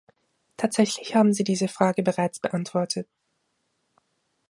Tatsächlich haben Sie diese Frage bereits beantwortet.